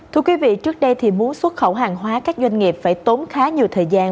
thưa quý vị trước đây thì muốn xuất khẩu hàng hóa các doanh nghiệp phải tốn khá nhiều thời gian